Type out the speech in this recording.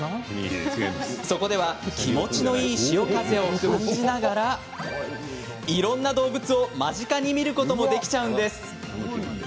そこでは気持ちよい潮風を感じながらいろんな動物を、間近に見ることもできちゃうんです。